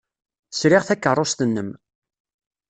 Sriɣ takeṛṛust-nnem.